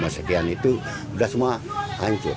lima sekian itu sudah semua hancur